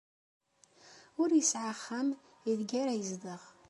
Ur yesɛi axxam aydeg ara yezdeɣ.